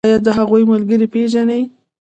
ایا د هغوی ملګري پیژنئ؟